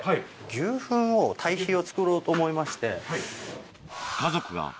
牛糞を堆肥を作ろうと思いまして。